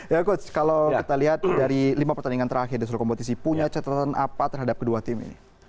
ya coach kalau kita lihat dari lima pertandingan terakhir di seluruh kompetisi punya catatan apa terhadap kedua tim ini